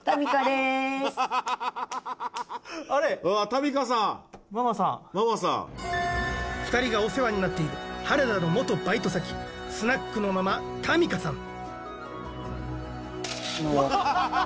多美香さんママさん２人がお世話になっている原田の元バイト先スナックのママ多美香さん